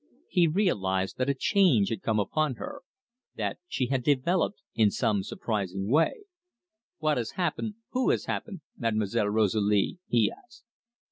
He realised that a change had come upon her, that she had developed in some surprising way. "What has happened who has happened, Mademoiselle Rosalie?" he asked.